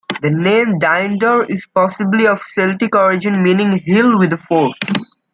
The name Dinedor is possibly of Celtic origin meaning "hill with a fort".